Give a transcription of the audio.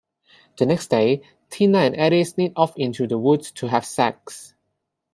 The next day, Tina and Eddie sneak off into the woods to have sex.